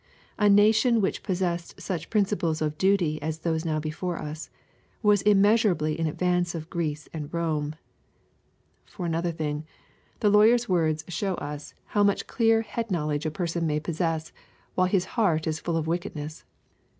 A nation which possessed such principles of duty as those now before us, was immeasurably in. advance of Greece and Bome. For another thing, the lawyer's words show us how much 1". /• LUKE^ CHAP. X. 878 clear head knowledge a person may possess^ while his heart is full of wickedness.